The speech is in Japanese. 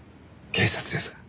警察です。